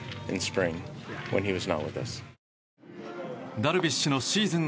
ダルビッシュのシーズン